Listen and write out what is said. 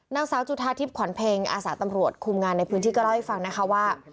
นางสาวจุธาทิพย์ขวัญเพ็งอาสาตำรวจคุมงานในพื้นที่ก็เล่าให้ฟังนะคะว่า